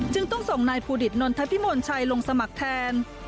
ต้องส่งนายภูดิตนนทพิมลชัยลงสมัครแทน